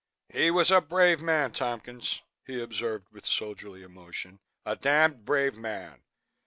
"He was a brave man, Tompkins," he observed with soldierly emotion, "a damned brave man.